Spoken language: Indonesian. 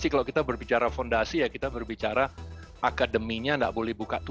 kalau kita berbicara fondasi ya kita berbicara akademinya tidak boleh buka tutup